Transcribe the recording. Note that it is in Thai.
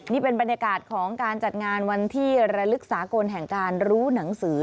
นี่เป็นบรรยากาศของการจัดงานวันที่ระลึกสากลแห่งการรู้หนังสือ